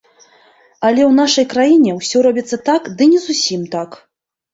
Але ў нашай краіне ўсё робіцца так, ды не зусім так.